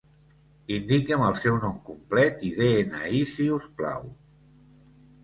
Indiqui'm el seu nom complet i de-ena-i si us plau.